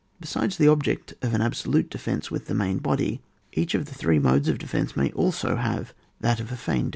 Besides ^the object of an absolute de fence with the main body, each of the three modes of defence may also have that of a feigned defence.